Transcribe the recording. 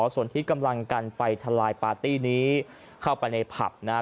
ส่วนที่กำลังกันไปทลายปาร์ตี้นี้เข้าไปในผับนะครับ